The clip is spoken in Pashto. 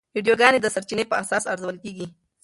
ویډیوګانې د سرچینې په اساس ارزول کېږي.